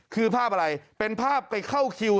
คือภาพอะไรเป็นภาพไปเข้าคิว